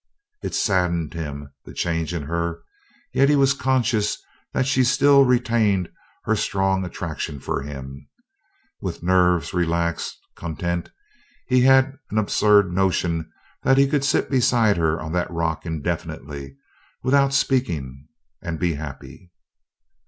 It saddened him, the change in her, yet he was conscious that she still retained her strong attraction for him. With nerves relaxed, content, he had an absurd notion that he could sit beside her on that rock indefinitely, without speaking, and be happy.